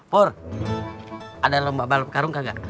pur ada lomba balap karung kagak